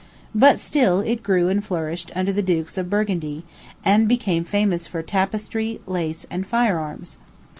But still it grew and flourished under the dukes of Burgundy, and became famous for tapestry, lace, and fire arms.